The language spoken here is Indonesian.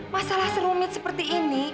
masalah serumit seperti ini